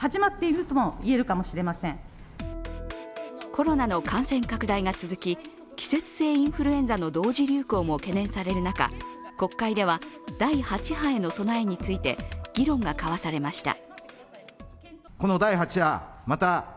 コロナの感染拡大が続き季節性インフルエンザの同時流行も懸念される中国会では第８波への備えについて議論が交わされました。